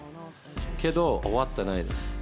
けど、終わってないです。